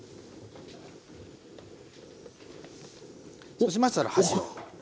そうしましたら箸を。